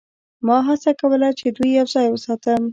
ما هڅه کوله چې دوی یوځای وساتم